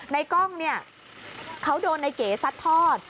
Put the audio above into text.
ในกล้องเขาโดนนายเก๋ซัดทอด